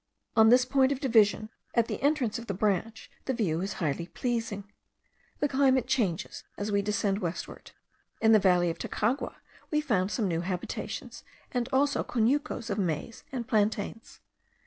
On this point of division, at the entrance of the branch, the view is highly pleasing. The climate changes as we descend westward. In the valley of Tacagua we found some new habitations, and also conucos of maize and plantains.